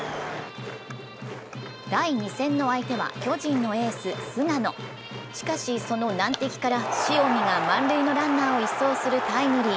第２戦の相手は巨人のエース・菅野しかし、その難敵から塩見が満塁のランナーを一掃するタイムリー。